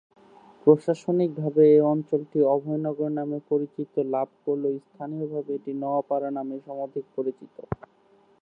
প্রশাসনিকভাবে এ অঞ্চলটি অভয়নগর নামে পরিচিতি লাভ করলেও স্থানীয়ভাবে এটি নওয়াপাড়া নামেই সমধিক পরিচিত।